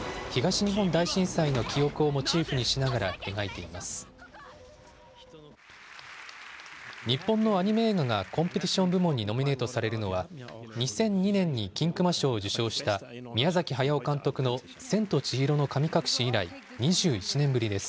日本のアニメ映画がコンペティション部門にノミネートされるのは、２００２年に金熊賞を受賞した宮崎駿監督の千と千尋の神隠し以来、２１年ぶりです。